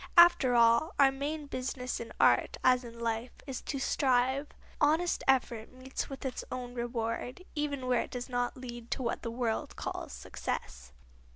After all, our main business in art, as in life, is to strive. Honest effort meets with its own reward, even where it does not lead to what the world calls success.